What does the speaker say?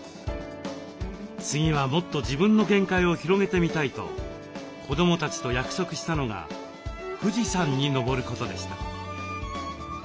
次はもっと自分の限界を広げてみたいと子どもたちと約束したのが富士山に登ることでした。